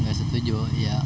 nggak setuju ya